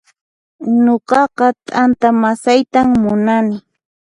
Nuqaqa t'anta masaytan munani